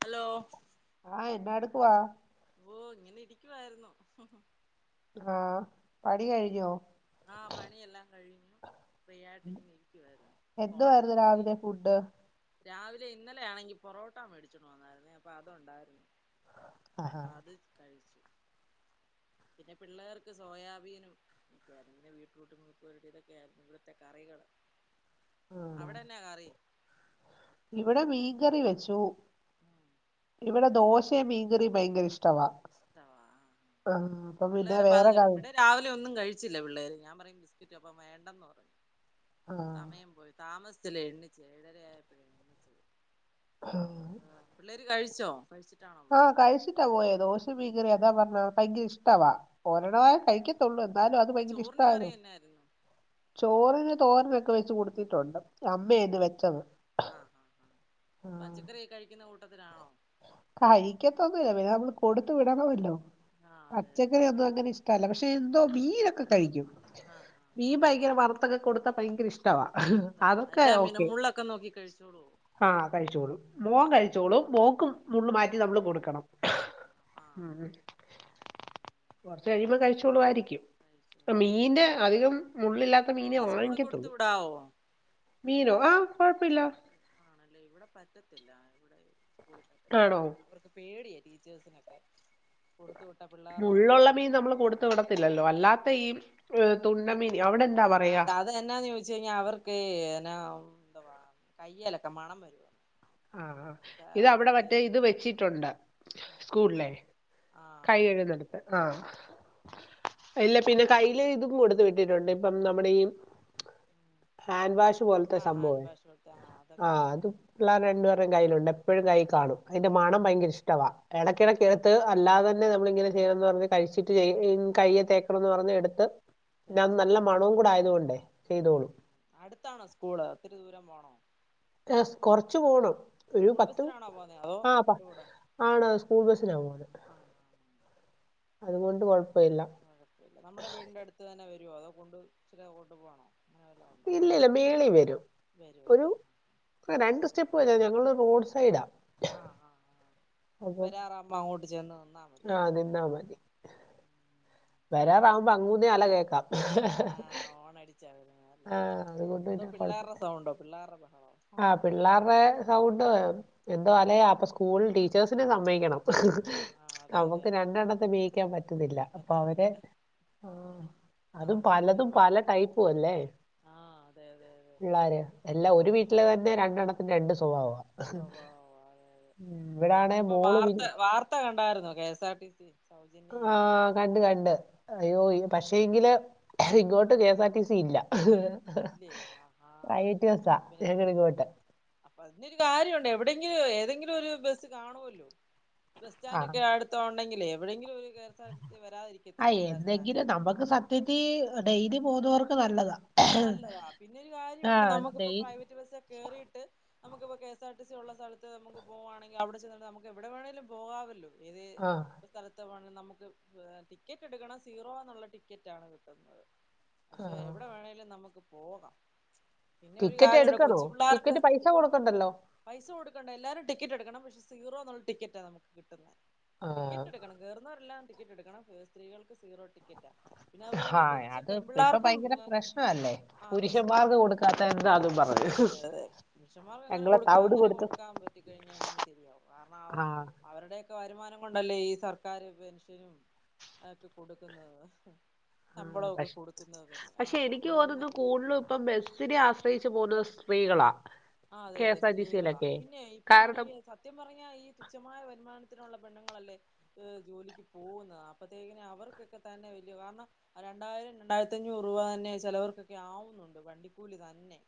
Hello ആഹ് എന്നാ എടുക്കുവാ ഓഹ് ഇങ്ങനെ ഇരിക്കുവായിരുന്നു ആഹ് പണി കഴിഞ്ഞോ ആഹ് പണിയെല്ലാം കഴിഞ്ഞു ഫ്രീ ആയിട്ട് ഇങ്ങനെ ഇരിക്കുവാരുന്നു ഫോണൊക്കെ എന്തുവായിരുന്നു നോക്കി രാവിലെ ഫുഡ് രാവിലെ ഇന്നലെ ആണെങ്കി പൊറോട്ട മേടിച്ചോണ്ട് വന്നായിരുന്നേ അപ്പൊ അത് ഉണ്ടായിരുന്നു ആഹാ അപ്പ അത് കഴിച്ചു പിന്നെ പിള്ളേർക്ക് സോയാബീനും ക്കെയായ്രുന്നു പിന്നെ ബീറ്റ്റൂട്ട് മെഴുക് പുരട്ടി ഇതൊക്കെ ആയിരുന്ന് ഇവ്ട്ത്തെ കറികള് ആണോ അവിടെ എന്നാ കറി ഇവിടെ മീങ്കറി വെച്ചു ഇവിടെ ദോശയും മീൻകറിയും ഭയങ്കര ഇഷ്ടവാ ഇഷ്ടവാ ആഹ് അപ്പൊ പിന്നെ പിള്ളേരപ്പ അത് വേറെ കറി ഇവിടെ രാവിലെ ഒന്നും കഴിച്ചില്ല പിള്ളേര് ഞാൻ പറയും ബിസ്ക്കറ്റ് അപ്പം വേണ്ടെന്ന് പറഞ്ഞ് ആഹ് സമയം പോയി താമസിച്ചല്ലേ എണിച്ച് ഏഴരയായപ്പഴേ ആഹ് ആഹ് പിള്ളേര് കഴിച്ചോ കഴിച്ചിട്ടാണോ ആഹ് പോന്നെ കഴിച്ചിട്ടാ പോയേ ദോശേം മീങ്കറി അതാ പർഞ്ഞത് ഭയങ്കര ഇഷ്ടവാ ഒരെണ്ണവേ കഴിക്ക്യത്തൊള്ളൂ എന്നാലും അത് അപ്പൊ ഭയങ്കര ചോറിന് കറി ഇഷ്ടവാനു എന്നായിരുന്നു ചോറിന് തോരനൊക്കെ വെച്ച് കൊടുത്തിട്ടുണ്ട് അമ്മയാ ഇന്ന് വെച്ചത് ആഹ് ആഹ് പച്ചക്കറി ഒക്കെ കഴിക്കുന്ന കൂട്ടത്തിലാണോ കഴിക്കത്തൊന്നുവില്ല പിന്നെ നമ്മള് കൊടുത്തു വിടണവല്ലോ ആഹ് അതെ അതെ പച്ചക്കറി ഒന്നും അങ്ങനെ ഇഷ് ടവല്ല പക്ഷെ എന്തോ മീനൊക്കെ കഴിക്കും ആഹ് ആഹ് മീൻ ആഹ് ഭയങ്കര വറുത്തൊക്കെ കൊടുത്താ ഭയങ്കര ഇഷ് ടാവാ ഇഷ്ടവാ അതൊക്കെ എല്ലാ ഓക്കെ മീനും മുള്ളൊക്കെ നോക്കി കഴിച്ചോളോ ആഹ് കഴിച്ചോളും മോൻ ആഹ് കഴിച്ചോളും മോക്ക് ആഹ് മുള്ള് മാറ്റി നമ്മള് കൊട്ക്കണം കൊടുക്കണം ആഹ് ഉം ഉം ആഹ് കൊറച്ച് കഴിയുമ്പൊ കഴിച്ചോളുവായിരിക്ക്യും പ്പ കഴിച്ചോളും മീന്റെ അധികം മുള്ളില്ലാ ൻത്തെ മീനെ മീൻ സ്കൂളിൽ കൊടുത്തു വാങ്ങിക്ക്യത്തൊള്ളൂ വിടാവോ മീനോ ആഹ് കൊഴപ്പ ഇല്ലാ കൊടുത്തു ആണല്ലേ ഇവിടെ പറ്റത്തില്ല ഇവടെ സ്‌കൂൾള് ആണോ. അവർക്ക് പേടിയാ ടീച്ചേഴ്സിനൊക്കെ കൊടുത്തു വിട്ട പിള്ളാര്ടെ തൊണ്ടയ്ക്കുവല്ലോം ആഹ് ത്തില്ലല്ലോ അല്ലാത്ത ഈ എഹ് തുണ്ണ മീന് അവടെ എ ആഹ് ത് അത് എന്നാന്ന് ചോയ്ച് കഴിഞ്ഞാ അവർക്കേ എന്നാ എന്തുവാ കയ്യേലൊക്കെ മണം വരുവാ ആഹ് ആഹ് ഇത് അവിടെ മറ്റേ ഇത് വെച്ചിട്ടുണ്ട് ആ ആ സ്കൂൾളേ ആ കൈ അപ്പൊ പിന്നെ കഴുകുന്നെടത്ത് ആഹ് ഇല്ല പിന്നെ കയ്ല് ഇതും കൊടുത്ത് വിട്ടിട്ടുണ്ട് ഇപ്പം നമ്മടെ ഈ. ഉം. ഹാൻഡ് വാഷ് പോലത്തെ ആ ഹാൻഡ് സംഭവേ വാഷ് കൊടുത്ത് ആ അതൊക്കെ ആഹ് കൊടുത്തിട്ട് അതും. കാണുവല്ലോ പിള്ളാര്ടെ രണ്ട്പേര്ടേം കയ്യിലുണ്ട് എപ്പഴുംകയ്യി കാണും അതിന്റെ മണം ഭയങ്കര ഇഷ്ട്ടവാ. ആ എടയ്ക്കെടയ്ക്ക് ആ എട്ത്ത് അല്ലാതെ തന്നെ നമ്മള് ഇങ്ങനെ ചെയ്യണംന്ന് പറഞ്ഞ് കഴിച്ചിട്ട് ചെയ്യ് ന്ന് കയ്യ് തേക്കണം എന്ന് പറഞ്ഞ് എട്ത്ത്. പിന്നത് നല്ല തേച്ചോളൂ മണവും കൂടെ ആയത് കൊണ്ടേ ചെയ്തോളും. അട്ത്താണോ സ്കൂള് ഒത്തിരി ദൂരം പോണോ എഹ് സ് കൊറച്ച് പോണം ഒരു സ്കൂൾ പത്ത് ബസ്സിനാണോ പോന്നേ അതോ ആഹ് പ കൊണ്ട് വിടോ ആണ് സ്കൂൾ ബസ്സിനാ പോ. [unintelligible] ആ. അതുകൊണ്ട് കൊഴപ്പ ഇല്ല. [unintelligible] നമ്മുടെ വീടിന്റെ അടുത്ത് തന്നെ വരൊ. അതോ കൊണ്ടു ചിരി അങ്ങോട്ട് പോണോ? അങ്ങനെ വല്ലോം ഉണ്ടോ ഇല്ല ഇല്ല മേളി വരും ഒരു. വരുവല്ലേ ആ രണ്ട് സ്റ്റെപ്പ് വരേ. കുറച്ച് ഞങ്ങള് റോഡ് സൈഡാ. ആ ആ. അപ്പം വരാറാകുമ്പോ അങ്ങോട്ട് ചെന്ന് നിന്നാ ആ മതിയല്ലേ ന്നിന്നാ മതി. വരാറാവുമ്പോ അങ്ങൂന്ന അല കേക്കാം. ആഹ് [unintelligible] ആഹ് അതുകൊണ്ട് അതോ പിന്നെ പിള്ളാരുടെ കൊഴപ്പല്ല സൗണ്ടോ പിള്ളേരുടെ ഭഹളോ? ആഹ് പിള്ളേരുടെ സൗണ്ട് എന്തലെ ആഹ് അപ്പൊ സ്കൂൾ ടീച്ചേഴ്സിനെ സമ്മയിക്കണം. ആഹ് അതെ അതെ നമുക്ക് അതെ അതെ രണ്ടെണ്ണത്തെ മേയ്ക്കാൻ പറ്റുന്നില്ല. അപ്പൊ അവരെ. മറ്റൊന്നുല്ല ആഹ് ആഹ് അതും അതിന് പലതും ഒരുപാ പല ടൈപ്പു അല്ലേ ആഹ് അതെ അതെ അതെ പിള്ളാര് അയ്യോ എല്ല ഒരു വീട്ട് ട്ട്ല് തന്നെ രണ്ടണ്ണത്ത്നും രണ്ട് സ്വഭാവ. സ്വഭാവാലെ. ഇവിടാണെ ഇന്ന്പ്പൊ മോള് പി വാർത്ത വാർത്ത കണ്ടായ്ര്ന്നോ കേസാർട്ടീസി. ആ. കണ്ട് കണ്ട്. അയ്യോ ആഹ് പക്ഷേ എങ്കില് ഇങ്ങോട്ട് കേസാട്ടീസി ഇല്ല. ഇല്ലേ ആഹാ പ്രൈവറ്റ് ബസ്സാ. ഞങ്ങളെ ഇങ്ങോട്ട്. അപ്പ അതിലൊരു കാര്യവുണ്ട്. എവിടെങ്കിലും ഏതെങ്കിലും ഒരു ബസ് കാണുവല്ലോ. ആഹ് ബസ്റ്റാന്റൊക്കെ അടു തോണ്ടെങ്കിലെ എവിടെങ്കിലും ഒരു കേസാട്ടീസി വരാതി ആ എന്തെങ്കിലും നമുക്ക് സത്യത്തീ ഡെയ്‌ലി പോകുന്നോർക്ക് നല്ലതാ. നല്ലതാ. പിന്നെരു ആ കാര്യവുണ്ട് നമുക്ക്‌ ഡെയി പ്രൈവറ്റ് ബസ്സൊക്കെ കേറീട്ട്. നമുക്ക്പ്പൊ കേസാട്ടീ സി യുള്ള സ്ഥലത്ത് നമ്മക്ക് പോവാണെങ്കി അവടെചെന്ന്ട്ട് നമ്മക്ക് യെവടെ വേണങ്കിലും പോവാവല്ലോ. ഇത്. ആ സ്ഥലത്ത് പോണങ്കി നമ്മക്ക് ട്ടിക്കറ്റ് എടുക്കണം. സീറോ എന്നുള്ള ട്ടിക്കറ്റാണ് കിട്ടുന്നത്. ആ പക്ഷെ എവിടെ വേണേലും നമക്ക് പോക. പിന്നെ ഒരു ടിക്കറ്റ് കാര്യോണ്ട് എടുക്കണോ കൊച്ചു പിള്ളാർക്. ടിക്കറ്റ് പൈസ കൊടുക്കണ്ടല്ലോ പൈസ കൊടുക്കണ്ട. എല്ലാരും ട്ടിക്കറ്റ് എടുക്കണം പക്ഷെ സീറോ എന്നുള്ള ട്ടിക്കറ്റാ നമുക്ക് കിട്ടുന്നെ. ആ ട്ടിക്കാറ്റെടുക്കണം. കേറുന്നോരെല്ലാം ട്ടിക്കറ്റെടുക്കണം. സ്ത്രീകൾക്ക് സീറോ ട്ടിക്കറ്റ. പിന്നെ അതേപോലെ കൊച്ചു പെൺ പിള്ളാർക്കും. [unintelligible] അല്ലേ. ആ പ്രശ്നവാണ്. അതെ അതെ അതെ. പുരുഷന്മാർക്ക് അങ്ങനെ ഞങ്ങളെ കൊടുക്കാ തവിട് അങ്ങനെ കൊടുത്തു കൊടുക്കാ പ പറ്റി കഴിഞ്ഞാ എങ്ങനെ ശെരിയാവും കാരണാവ ആ അവരുടെയൊക്കെ വരുമാനം കൊണ്ടല്ലേ ഈ സർക്കാരും പെൻഷനും. ആപ്പി കൊടുക്കുന്നത്. ശമ്പളൊക്കെ കൊടുക്കുന്നത് തന്നെ ആ ക്ക് നമ്മളിൽ തോന്നുന്നു നിന്നൊക്കെ കൂടുതലും ഇപ്പം ബെസ്സിനെ ആശ്രയിച്ചു പോര്ന്ന സ്ത്രീകള ആ അതെ അതെ. സ്ത്രീകളാ പിന്നെ കാരണം ഇപ്പാണെങ്കിൽ സ സത്യം പറഞ്ഞാൽ ഈ തുച്ഛമായ വരുമാനത്തിനുള്ള പെണ്ണങ്ങളല്ലേ ഹ് ജോലിക്ക് പോകുന്നത്. അപ്പത്തേക്കന അവർക്കൊക്കെ തന്നെ വല്യ കാരണം. ആ രണ്ടായിരം രണ്ടായിരത്തി അഞ്ഞൂറ് രൂപ തന്നെ ചെലവർക്കൊക്കെ ആവുന്നുണ്ട്. വണ്ടിക്കൂലി തന്നെ.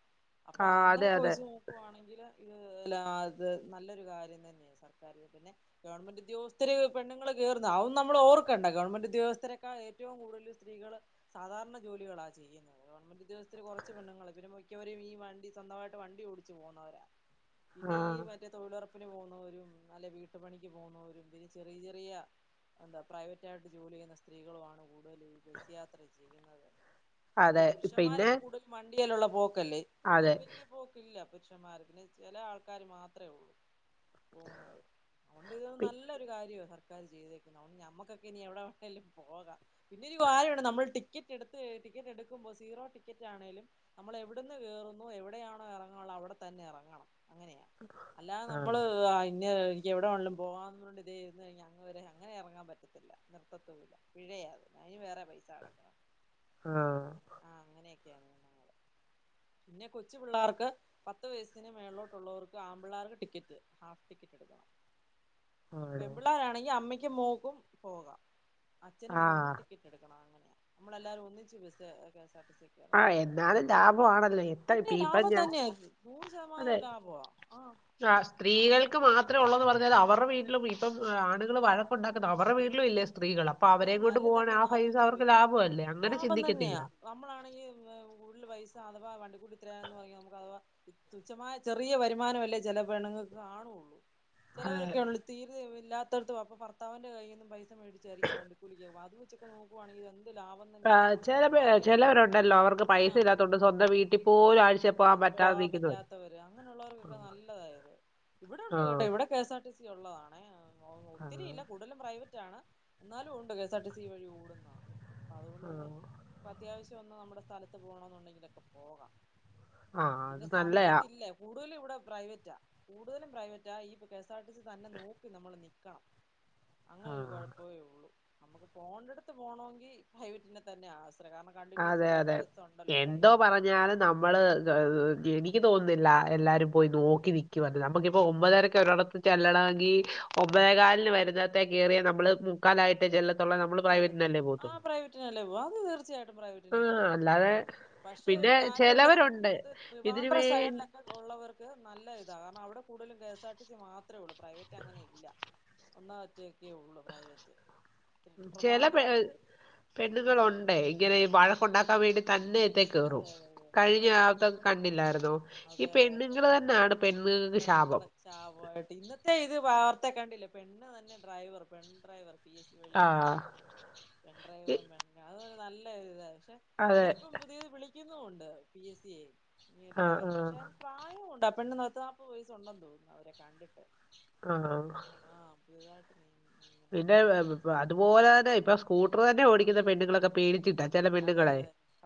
അപ്പൊ ആ ആങ്ങനെ അതെ അതെ നോക്കുവാണെങ്കില് ഇത് നല്ലൊരു കാര്യം തന്നെ. സർക്കാരി പിന്നെ ഗവണ് ഉദ്യോഗസ്ഥരെ പെണ്ണുങ്ങള് കേറുന്ന ആവും നമ്മൾ ഓർക്കണ്ട. ഗവണ്മെന്റ് ഉദ്യോഗസ്ഥരെക്കാ ഏറ്റം കൂടുതല് സ്ത്രീ. കള് സാധാരണ ജോലികളാ ചെയ്യുന്നത്. വണ്മെന്റ് ഉദ്യോഗസ്ഥത്തര് കൊറച്ച് പെണ്ണങ്ങള്. പിന്നെ മിക്കവരും ഈ വണ്ടി സ്വന്തമായിട്ട് വണ്ടി ഓടിച്ചു പോകുന്നവരാ ആ ഇനി ഈ മറ്റെ തൊഴിലുറപ്പ്- പ്പിന് പോന്നോരും അല്ലേ വീട്ടുപണിക്ക് പോന്നോരും പിന്നെ ചെറിയ ചെറിയ- എന്താ പ്രൈവറ്റ് ആയിട്ട് ജോലി ചെയ്യുന്ന സ്ത്രീകളുവാണ് കൂടുതലും ഈ ബസ് യാത്ര ചെയ്യുന്നത് പിന്നെ അതെ പിന്നെ പുരുഷന്മാരൊക്കെ കൂടുതൽ വണ്ടിയെല്ലുള്ള പോക്കല്ലേ ആ അതെ വല്ലിയ - പോക്കില്ല പുരുഷന്മാര് പിന്നെ ചെല ആൾക്കാര് മാത്ര ഉള്ളൂ പോന്നത് അതൊണ്ട് ഇത് പി- നല്ലൊരു കാര്യവാ സ- ആ ചെയ്തേക്കാം നമ്മുക്കൊക്കെ ഇനി എവിടെ വെണേലും പോകാം പിന്നെ ഒരു കാര്യണ്ട് നമ്മള് ടി ടിക്കറ്റ് എടുത്ത് ടിക്കറ്റ് എടുക്കുമ്പോൾ സീറോ ടിക്കറ്റ് ആണേങ്കിലും നമ്മൾള് എവിടുന്ന് കേയറുന്നു എവിടെയാണോ- അവിടെ തന്നെ എറങ്ങണം അങ്ങനെയ അല്ലാതെ ആ നമ്മള് ഇന്ന ഇനി എവിടെ വേണണോങ്കിലും പോകാം പോകാവന്നുകണ്ട് ഇരുന്ന് കഴിഞ്ഞ അങ്ങ് വരെ അങ്ങനെ എറങ്ങാൻ പറ്റത്തില്ല നിർത്തത്തില്ല പിഴയാ അത് അതിന് വേറെ പൈസ അടക്ക.. ആഹ് ആ അങ്ങനെയൊക്കെയ പിന്നെ കൊച്ചു പിള്ളേർക്ക്- പത്ത് വയസ്സിന് മേൾലോട്ടുള്ളവർക്ക് ആമ്പിള്ളേർക്ക് ടിക്കറ്റ് ഹാഫ് ടിക്കറ്റ് എടുക്കണം ആണോ പെൺപിള്ളേരാണെങ്കി അമ്മയ്ക്ക് മോക്കും പോകാം അച്ഛനും മോനും ആഹ് ടിക്കറ്റ്- നമ്മളെല്ലരും ഒന്നിച്ച് bus K S R T C ആ കേറുവാണ് എന്നാലും ലാഭമാണല്ലോ എത് പീ പൻ തന്നെ ആയിരിക്കും നൂറ് ശതമാനം ലാഭവാ ആ സ്ത്രീകൾക്ക് മാത്രം ഉള്ളെന്ന് പറഞ്ഞാത് അവരുടെ വീട്ടിലും ഇപ്പം ആണുകള് വഴക്കുണ്ടാക്കുന്നത് അവരുടെ വീട്ടിലും ഇല്ലേ - സ്ത്രീകള് അപ്പൊ അത് അവരെ കൊണ്ട് നല്ല പോകൻ തന്നെ ആ ഒന്ന് ഫൈസ ആലോചിച്ച് അവർക്ക് ലാഭമല്ലേ അങ്ങനെ ചിന്തിക്കത്തില്ല നമ്മളാണെങ്കിൽ കൂടുതൽ പൈസ അഥവാ വണ്ടി കൂടിത്ര എന്ന് പറയ നമുക്ക് അഥവാ തുച്ഛമായ ചെറിയ വരുമാനമല്ലേ ചെല പെണ്ണുങ്ങൾക്ക് കാണുള്ളൂ അതെ ചിലവരൊക്കെ ഉള്ളൂ തീരെ ഇല്ലാത്തടത്തത്ത് വന്ന് ഭർത്താന്റെ കയ്യിൽന്നും പൈസ മേടിച്ചരിക്കും വണ്ടിക്കൂലിക്ക അത് വ- നോക്കുവാണങ്കി ഇത്‌ എന്ത് ലാഭം- ആ തന്നെയാ കാരണം ചെല ഒന്നും അറിയണ്ട ചെലവരുണ്ടല്ലോ അവർക്ക് പൈസ ഇല്ലാത്തൊണ്ട് സ്വന്തം വീട്ടിൽ പോലും ആഴ്ച- പോ പറ്റാതെ പോകാൻ നിൽക്കുന്നവര് പറ്റാത്തവര് അങ്ങനെയുള്ളവർക്കൊക്കെ നല്ലതായത് ഇവിടെ ആ ഉണ്ട് കേട്ടോ ഇവിടെ- K S R T C ഉള്ളതാണേ ആ ആ ഒത്തിരിയില്ല കൂടുതലും പ്രൈവറ്റ്- എന്നാലും ഒണ്ട് K S R T C വഴി ഓടുന്ന അ അതുകൊണ്ട് തന്നെ- അപ്പോ അത്യാവശ്യം ഒന്ന് നമ്മുടെ സ്ഥലത്ത് പോകണമെന്നുണ്ടെങ്കിലൊക്കെ പോകാം ആ ആ, പിന്നെ അത് നല്ലയാ സമയത്തില്ല കൂടുതലും ഇവിടെ പ്രൈവറ്റാ കൂടുതലും പ്രൈവറ്റാ ഈ K - K S R T C തന്നെ നോക്കി നമ്മള് നിക്കണം അങ്ങനെ ഒരു ആ കൊഴപ്പമേ ഉള്ളു. നമുക്ക് പോണ്ടെടുത്ത് പോകണങ്കി പ്രൈവറ്റിനെ തന്നെ ആശ്രയി കാരണം- കണ്ടിന്യൂസ് അതെ അതെ ബസ് ഉണ്ടല്ലോ എന്തോ പ്രൈവറ്റ് പറഞ്ഞാലും- നമ്മള് എനിക്ക് തോന്നുന്നില്ല എല്ലാവരും പോയി നോക്കി നിക്കുവെന്ന് നമുക്കിപ്പോ ഒമ്പതരക്കെ ഒരോടത്ത്- ചെല്ലണവെങ്കി ഒമ്പതെകാലിന് വരുന്നത്തെ കയറിയ നമ്മള്- കാലായിട്ട് ചെല്ലതൊള്ളെ നമ്മള് പ്രൈവറ്റനല്ലേ പോത്തുള്ളൂ അല്ലെ പോവാ അത് തീർച്ചയായിട്ടും പ്രൈവറ്റിനെ പോകത്തുള്ളൂ അല്ലാതെ പക്ഷേ ഒരു പിന്നെ കാര്യയുണ്ട് നമുക്ക് ചെലവരുണ്ട് ഇത് ഇതിന് ട്രിവാൻഡ്രം വേ സൈഡിലൊക്കെ- ഉള്ളവർക്ക് നല്ല ഇതാണ് കാരണം അവിടെ കൂടുതലും K S R T C മാത്രമേ ഉള്ളൂ പ്രൈവറ്റ് അങ്ങനെ ഇല്ല- ഒന്നോ മറ്റെക്കെ ഉള്ളൂ പ്രൈവറ്റ് ചെല പെ ട്രിവാൻഡ്രം ആഹ് പെണ്ണുങ്ങളൊണ്ടെ ഇങ്ങനെ വഴക്കുണ്ടാക്കാൻ വേണ്ടി തന്നെ- ത്തെ കേറു അതെ അതെ അതെ അതെ കഴിഞ്ഞ ആ ഇതൊക്കെ കണ്ടില്ലാർന്നോ ഈ അതെ അതെ പെണ്ണുങ്ങള് തന്നാണ് പെണ്ണുങ്ങക്ക് ശാപം ശാപായിട്ട് ഇന്നത്തെ ഇത് വാർത്തെ കണ്ടില്ലെ പെണ്ണ് തന്നെ ഡ്രൈവർ പെൺ ഡ്രൈവർ പി എസ് സി വഴി ആ നിയമനം കിട്ട പെൺ ഇ- ഡ്രൈവറും പെൺ അതൊരു നല്ലൊരു ഇതാ പക്ഷെ അതെ അങ്ങനെ ഇപ്പം- പുതിയത് വിളിക്കുന്നുണ്ട് പി എസ് സി ഞ് ആഹ് ഡ്രൈവറും ആഹ് പക്ഷെ പ്രായോണ്ട് പെണ്ണ് പത്ത് നാല്പ്പത് വയസുണ്ടെന്ന് തോന്നുന്നു അവരെ കണ്ടിട്ട് ആഹ് ആ പുതുതായിട്ട് പിന്നെ അതുപോലെ തന്നെ ഇപ്പൊ സ്കൂട്ടർ തന്നെ ഓടിക്കുന്ന പെണ്ണുങ്ങളൊക്കെ പേടിച്ചിട്ടാ ചെല അതെ പെണ്ണുങ്ങളെ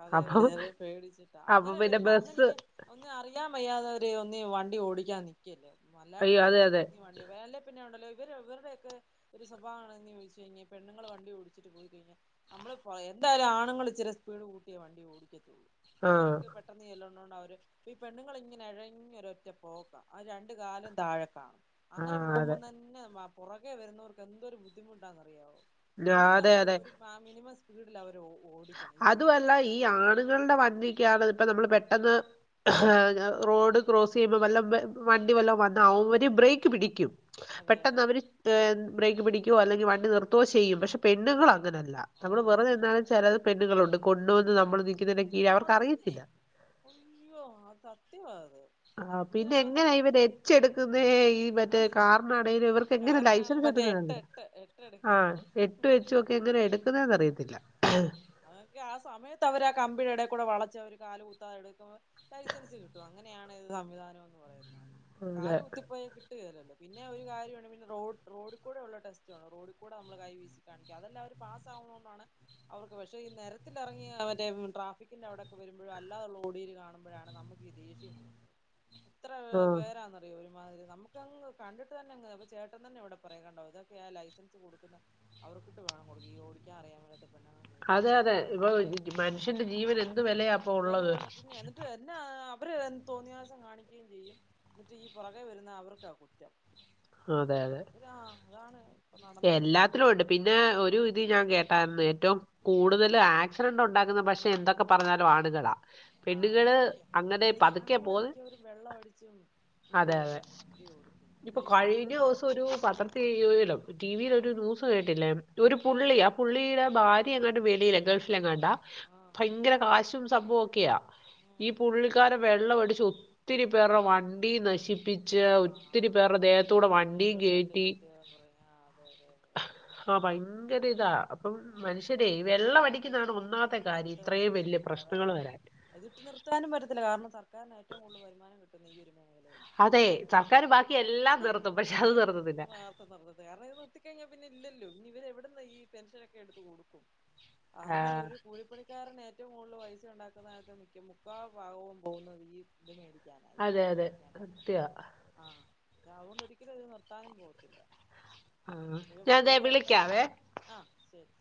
അതെ അതെ അതെ അപ്പൊ ചെൽത് പേടിച്ചിട്ടാ അപ്പൊ അങ്ങനെ പിന്നെ വരുമ്പ അങ്ങനീ ബസ്സ് ഒന്നും അറിയാ വയ്യാത്തോര് ഒന്നി വണ്ടി ഓടിക്കാൻ നിക്കല്ലേ നല്ലതായിട്ട് അയ്യോ അതെ പഠിച്ചിട്ട് അതെ ഒന്നി വൺ ടിവാല്യ പിന്നെ ഉണ്ടല്ലോ ഇവര് ഇവര്ടെക്കെ ഒരു സ്വഭാവമാണ് ഇഞ് ചോയ്ച്ച് കഴിഞ്ഞ പെണ്ണുള് വണ്ടി ഓടിച്ചിട്ട് പോയി പിന്നെ നമ്മള്പോ എന്തായാലും ആണുങ്ങള് ഇച്ചിരി സ്പീഡ് കൂട്ടിയേ വണ്ടി ഓടിക്കത്തൊള്ളൂ ആഹ് അവർക്ക് പ പെട്ടെന്ന് ചെല്ല്ണോണ്ട് അവര് ഈ പെണ്ണുങ്ങളിങ്ങനെ ഇഴഞ്ഞ് ഒരൊറ്റ പോക്കാ ആ രണ്ട് കാലും താഴെ കാണും അങ്ങനെ ആഹ് അതെ പോകുമ്പോം തന്നെ വ പുറകെ വരുന്നവർക്ക് എന്തൊരു ബുദ്ധിമുട്ടാന്നറിയാവോ ഞാ- ഒന്നിങ്കിൽ അതെ അവര് അതെ ഒരു പാ മിനിമം സ്പീഡിൽ അവര് ഓടും അതുമല്ല ഈ ആണുങ്ങൾടെ വണ്ടിക്കാണ് ഇപ്പൊ നമ്മള് പെട്ടെന്ന് റോഡ് ക്രോസീയുമ്പോ വല്ല വെ വണ്ടി വല്ലോം വന്ന അവര് ബ്രേക്ക് പിടിക്കും അതെ പെട്ടെന്ന് അതെ അവര് ബ്രേക്ക് പിടിക്കുവോ അല്ലെങ്കി വണ്ടി നിർത്തോ ചെയ്യും പക്ഷെ ഉം പെണ്ണുൾ അങ്ങനെല്ല അതെ നമ്മള് അതെ വെറുതെ നിന്നാലും അങ്ങനെയല്ല ചെലത് പെണ്ണുകളുണ്ട് കൊണ്ടുവന്ന് നമ്മള് നിക്കുന്നെന്റെ മാത്രന്നേ അയ്യോ ആ സത്യവാത് ആ പിന്നെ എങ്ങനാ ഇവര് എച്ചെടുക്കുന്നേ ആ മറ്റേ കാറിനാണേലും ഇവർക്ക് എങ്ങനെ കാറിനാണല്ലോ ലൈസൻസ് മറ്റേ എട്ട് കിട്ടുന്നതറിയില്ല. എട്ട് എടു ആഹ് എട്ടു എച്ചൊക്കെ എങ്ങനെ എടുക്കുന്നത് അറിയത്തില്ല അതൊക്കെ ആ സമയത്ത് അവര് ആ കമ്പിടെ എടെ കൂടെ വളച്ച് അവര് കാല് കുത്താതെ എടുക്കും തൈച്ച് തൈച്ച്കിട്ടും അങ്ങനെയാണ് സംവിധാനം എന്ന് പറയുന്നത് അതെ കാല് കുത്തിപ്പോയ കിട്ടൂലല്ലോ പിന്നെ ഒരു കാര്യോണ്ട് പിന്നെ റോഡ് റോഡുകൂടെള്ള ടെസ്റ്റ് ഉണ്ട് റോഡുകൂടെ നമ്മള് കൈ വീശി കാണിക്ക അതെല്ലാം അവര് പാസ്സാവുന്നതോണ്ടാണ് അവർക്ക് പക്ഷേ ഈ നിരത്തിലിറങ്ങി അവരുടെ ട്രാഫിക്കിന്റെ അവിടൊക്കെ വരുമ്പോഴ് അല്ലാതുള്ള ഓടിയിൽ കാണുമ്പോഴാണ് നമുക്ക് ദേഷ്യം ഉ [inaudible] എത്രെ പേരാെന്നറിയോ ഒരുമാതിരി നമ്മു ക്കങ്ങ് കണ്ടിട്ട് തന്നെ അങ് അപ്പൊ ചേട്ടൻ തന്നെ ഇവടെ പറയും കണ്ടോ ഇതൊക്കെയാ ലൈസൻസ് കൊടുക്കുന്ന അവർക്കിട്ട് വേണം കൊടുക്ക ഈ ഓടിക്കാറിയാമേലാത്ത പെണ്ണ്ങ്ങ അതെ അതെ ഇപ്പൊ മനുഷ്യന്റെ ജീവന് എന്ത് വെലയാപ്പൊ ഉള്ളത് വിലയുള്ള പിന്നെ എന്നിട്ട് എന്നാ അവര് തോന്നിവാസം കാണിക്കുകയും ചെയ്യും എന്നിട്ട് ഈ പുറകെ വരുന്ന അവർക്കാ കുറ്റം അതെ അതെ ഒരാ അതാണ് ഇപ്പൊ നടന്നൊണ്ടിരിക്കുന്നത് എല്ലാത്തിലും ഉണ്ട് പിന്നെ ഒരു ഇത് ഞാൻ കേട്ടാര്ന്ന് ഏറ്റവും കൂടുതല് ആക്സിഡന്റ് ഉണ്ടാക്കുന്ന പക്ഷെ എന്തൊക്കെ പറഞ്ഞാലും ആണുങ്ങളാ ആഹ് അത് പെണ്ണുങ്ങള് ശരിയ അങ്ങനെ അത് ഈ പതുക്കെ ആണുങ്ങള് പോന്ന് മിക്കവരും വെള്ളം അടിച്ചും [unintelligible] വണ്ടി ഓടിക്കും ഇപ്പ കഴിഞ്ഞോസം ഒരു പത്ര ടീവീലും ടിവിൽ ഒരു ന്യൂസ് കേട്ടില്ലേ ഒരു പുള്ളി ആ പുള്ളിടെ ഭാര്യ എങ്ങാണ്ട് വെളിയില ഗൾഫ് ട്ടിലംകണ്ടാ ആ ഭയങ്കര കാശും സംഭവൊക്കെയാ ഈ ഉം പുള്ളിക്കാരൻ വെള്ളമടിച്ച് ഒത്തിരി പേർടെ വണ്ടി നശിപ്പിച്ചു ആഹ് ആഹ് മേത്തോട്ട് വണ്ടി കേറ്റിയോരം പറഞ്ഞു ആ അതെ അതെ അതെ ആഹ് ഭയങ്കര അയ്യോ ഇതാ അപ്പം അതെ മനുഷ്യരേ വെള്ളം അത് അടിക്ക താണ് ഒന്നാമത്തെ കാര്യം ഇത്രയും വലിയ പ്രശ്നങ്ങൾ വരാൻ ഇത് ഇട്ട് നിർത്താനും പറ്റത്തില്ല കാരണം സർക്കാരിന് ഏറ്റവും കൂടുതൽ വരുമാനം കിട്ടുന്ന ഈ ഒരു മേഖലയിൽ അതെ സർക്കാര് ബാക്കി എല്ലാം നിർത്തും പക്ഷെ അത് നിർ ഇത് നിർത്തത്തില്ല മാത്രം കാരണം ഇത് നിർത്തി കഴിഞ്ഞാ പിന്നെ ഇല്ലല്ലോ ഇനി വര് എവിട്ന്ന് ഈ പെൻഷനൊക്കെ എടുത്ത് കൊടുക്കും ആ, [unintelligible] ഒരു കൂലിപ്പണി കാരന് ഏറ്റവും കൂടുതൽ പൈസ ഉണ്ടാക്കുന്നതിനകത്ത് മിക്ക മുക്കാ ഭാഗവും പോകുന്നത് ഈ ഇത് മേടിക്കാനാ ഈ അതെ കുപ്പി അതെ മേടിക്കാനാകും സത്യ ആഹ് അതുകൊണ്ട് ഒരിക്കലും ഇത് നിർത്താനും പോകത്തില്ല ആഹ് ഞാൻതെ വിളിക്കാവേ ആഹ് ശെരി